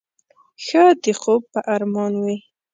ښه د خوب په ارمان وې.